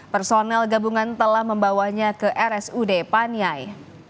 personel gabungan telah membawanya ke rsud paniai